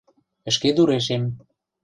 Ӹшкедурешем: